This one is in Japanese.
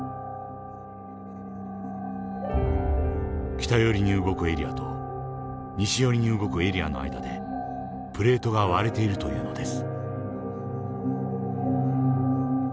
北寄りに動くエリアと西寄りに動くエリアの間でプレートが割れているというのです。